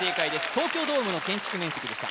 東京ドームの建築面積でした